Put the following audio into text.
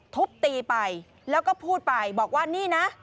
ทุบตีไปแล้วก็พูดไปบอกว่านี่นะ